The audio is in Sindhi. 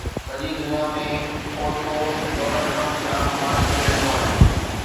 سڄي دنيا ۾ عورتون ڊونلڊ ٽرمپ خلاف مارچ ڪري رهيون آهن